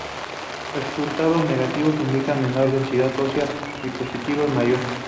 Resultados negativos indican menor densidad ósea, y positivos mayor.